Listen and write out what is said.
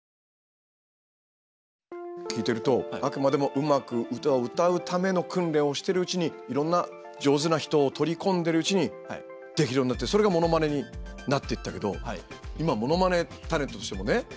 聞いてるとあくまでもうまく歌を歌うための訓練をしてるうちにいろんな上手な人を取り込んでるうちにできるようになってそれがモノマネになっていったけど今モノマネタレントとしてもねたくさん活躍してる。